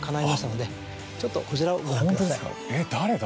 ちょっとこちらをご覧ください。